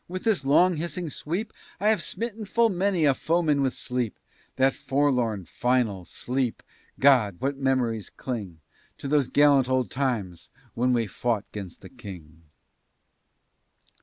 With this long hissing sweep I have smitten full many a foeman with sleep That forlorn, final sleep! God! what memories cling To those gallant old times when we fought 'gainst the King.